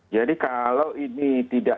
jadi kalau ini tidak